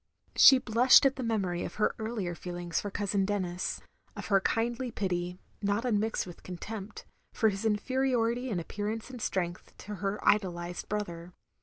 She blushed at the memory of her earlier feelings for Cousin Denis; of her kindly pity, not unmixed with contempt, for his inferiority in appearance and strength to her idolised brother.